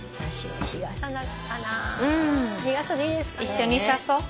一緒に差そう。